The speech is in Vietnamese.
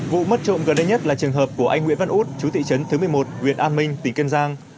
vụ mất trộm gần đây nhất là trường hợp của anh nguyễn văn út chú thị trấn thứ một mươi một huyện an minh tỉnh kiên giang